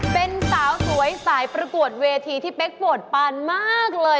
เป็นสาวสวยสายประกวดเวทีที่เป๊กปวดปานมากเลย